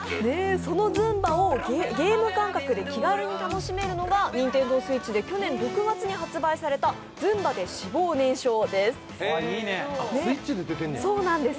そのズンバをゲーム感覚で気軽に楽しめるのがＮｉｎｔｅｎｄｏＳｗｉｔｃｈで去年６月に発売された「ＺＵＭＢＡｄｅ脂肪燃焼」です。